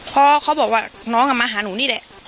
เพราะเขาบอกว่าน้องมาหาหนูนี่แหละ